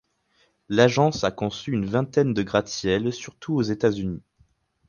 L'agence a conçu une vingtaine de gratte-ciel surtout aux États-Unis.